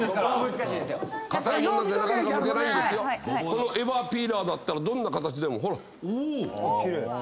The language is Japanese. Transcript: このエバーピーラーだったらどんな形でもほらっ！